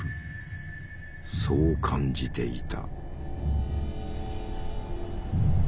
そう感じていた。